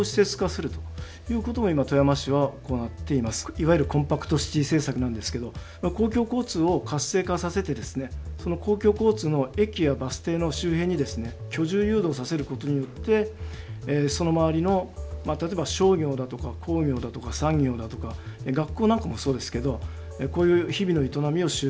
いわゆるコンパクトシティ政策なんですけど公共交通を活性化させてですねその公共交通の駅やバス停の周辺に居住誘導させることによってその周りの例えば商業だとか工業だとか産業だとか学校なんかもそうですけどこういう日々の営みを集中させていくと。